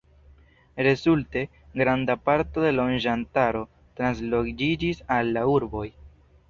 Rezulte, granda parto de loĝantaro transloĝiĝis al la urboj.